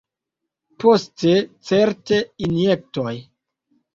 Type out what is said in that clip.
Poste, certe, injektoj.